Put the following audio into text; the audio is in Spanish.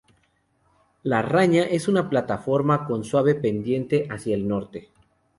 La raña es una plataforma con una suave pendiente hacia el norte.